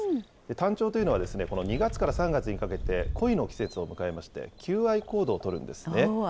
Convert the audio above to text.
タンチョウというのはこの２月から３月にかけて、恋の季節を迎えまして、求愛行動を取るんですね。